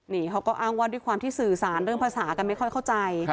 นี่เขาก็อ้างว่าด้วยความที่สื่อสารเรื่องภาษากันไม่ค่อยเข้าใจ